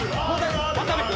渡部君？